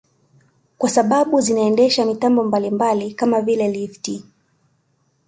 Kwa sababu zinaendesha mitambo mbalimbali kama vile lifti